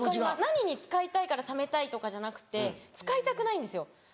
何に使いたいから貯めたいとかじゃなくて使いたくないんですよ。